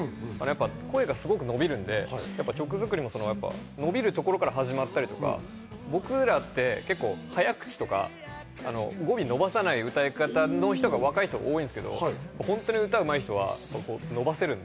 声が伸びるので、曲作りも伸びるところから始まったり、僕らって結構早口とか語尾を伸ばさない歌い方の人が、若い人は多いんですけど、本当に歌がうまい人は伸ばせる。